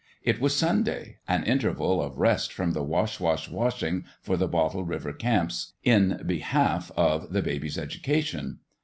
It was Sunday : an interval of rest from the wash wash washing for the Bottle River camps in behalf of the baby's education.